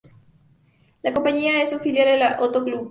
La compañía es una filial de la Otto Group.